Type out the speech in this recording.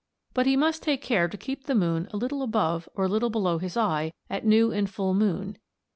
But he must take care to keep the moon a little above or a little below his eye at new and full moon.